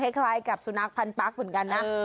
เหมือนกับสุนัขพันธ์ปรักษ์เหมือนกันนะ